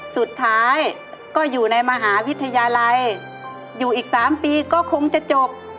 สุดท้ายก็อยู่ในมหาวิทยาลัยอยู่อีก๓ปีก็คงจะจบ